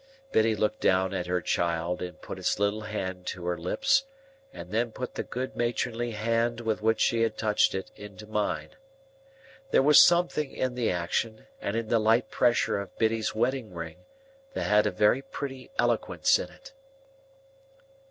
Biddy looked down at her child, and put its little hand to her lips, and then put the good matronly hand with which she had touched it into mine. There was something in the action, and in the light pressure of Biddy's wedding ring, that had a very pretty eloquence in it.